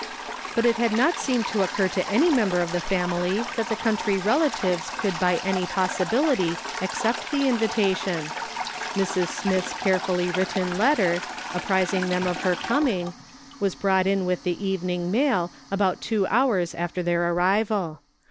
But it had not seemed to occur to any member of the family that the country relatives could by any possibility accept the invitation. Mrs. Smith's carefully written letter, apprising them ot her coming, was brought in with tlie evening mail, about two hours after our arrival.